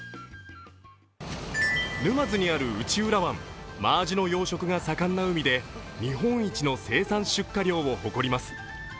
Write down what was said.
沼津にある内浦湾、真あじの養殖が盛んな海で日本一の生産出荷量を誇ります。